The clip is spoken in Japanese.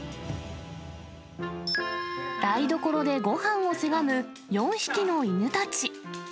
台所でごはんをせがむ４匹の犬たち。